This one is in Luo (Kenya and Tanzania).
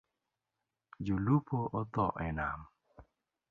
Jo lupo otho e nam.